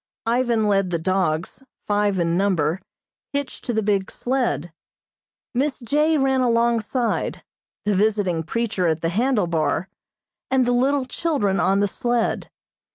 Ivan led the dogs, five in number, hitched to the big sled. Miss J. ran alongside, the visiting preacher at the handle bar, and the little children on the sled.